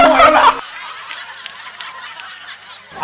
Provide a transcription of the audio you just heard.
เริ่มกันใหม่แล้วล่ะ